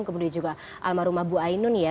kemudian juga almarhum ibu ainun ya